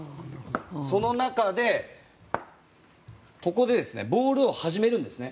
その中でここでボールを始めるんですね。